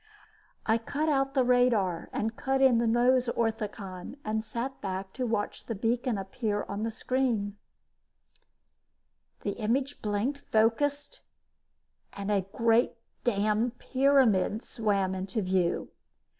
I cut out the radar and cut in the nose orthicon and sat back to watch the beacon appear on the screen. The image blinked, focused and a great damn pyramid swam into view.